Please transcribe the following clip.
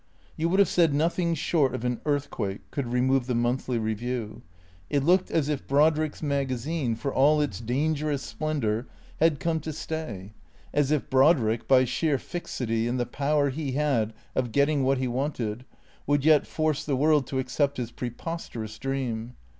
You would have said nothing short of an earthquake could remove the " Monthly Eeview." It looked as if Brodrick's magazine, for all its dangerous splendour, had come to stay, as if Brodrick, by sheer fixity and the power he had of getting what he wanted, would yet force the world to accept his pre posterous dream.